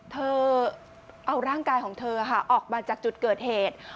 เธอเอาร่างกายของเธอออกมาจากจุดเกิดเหตุ